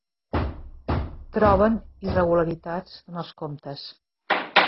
Troben irregularitats en els comptes